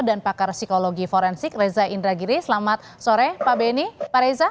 dan pakar psikologi forensik reza indragiri selamat sore pak beni pak reza